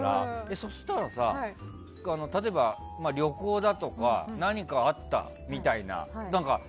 そうしたら、例えば旅行だとか何かあったみたいな。